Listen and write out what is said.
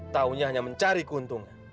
taunya hanya mencari keuntungan